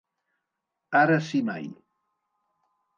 Ara si mai.